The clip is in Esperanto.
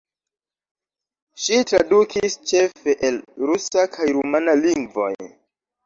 Ŝi tradukis ĉefe el rusa kaj rumana lingvoj.